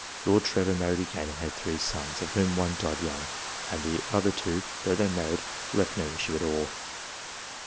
Lord Trevor married again, and had three sons, of whom one died young, and the other two, though they married, left 110 issue at all.